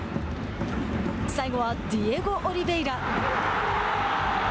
最後はディエゴ・オリヴェイラ。